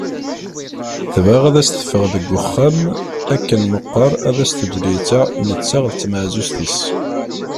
Tebɣa ad as-teffeɣ seg uxxam akken meqqar ad as-teǧǧ listeɛ netta d tmeɛzuzt-is.